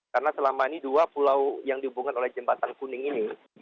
karena selama ini dua pulau yang dihubungkan oleh jembatan kuning ini